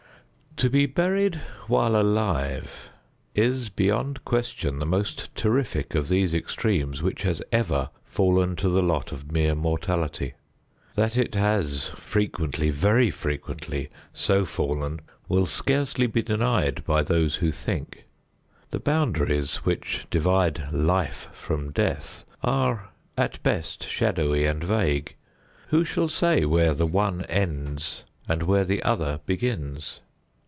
To be buried while alive is, beyond question, the most terrific of these extremes which has ever fallen to the lot of mere mortality. That it has frequently, very frequently, so fallen will scarcely be denied by those who think. The boundaries which divide Life from Death are at best shadowy and vague. Who shall say where the one ends, and where the other begins?